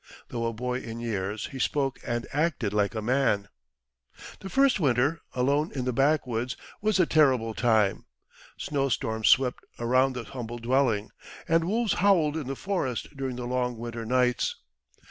Though a boy in years, he spoke and acted like a man. That first winter, alone in the backwoods, was a terrible time. Snowstorms swept around the humble dwelling, and wolves howled in the forest during the long winter nights.